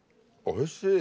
おいしい。